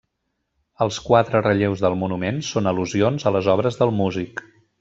Els quatre relleus del monument són al·lusions a les obres del músic.